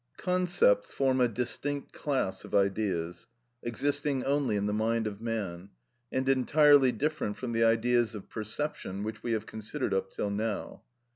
Concepts form a distinct class of ideas, existing only in the mind of man, and entirely different from the ideas of perception which we have considered up till now.